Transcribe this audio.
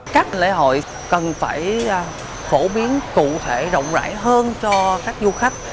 các lễ hội cần phải phổ biến cụ thể rộng rãi hơn cho các du khách